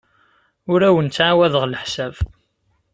Ur awen-ttɛawadeɣ leḥsab.